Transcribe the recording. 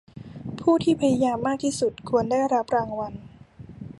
ผู้ที่พยายามมากที่สุดควรได้รับรางวัล